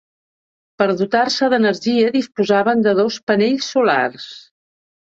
Per dotar-se d'energia disposaven de dos panells solars.